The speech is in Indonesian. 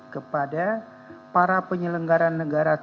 kepada para penyelenggaran negara